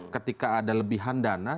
ketika ada lebihan dana